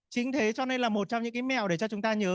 chính thế cho nên là một trong những cái mèo để cho chúng ta nhớ